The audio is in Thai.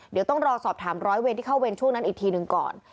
เดี๋ยวต้องรอสอบถามร้อยเวรที่เข้าเวรช่วงนั้นอีกทีหนึ่งก่อน